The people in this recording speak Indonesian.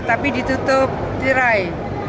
tetapi ditutup tirai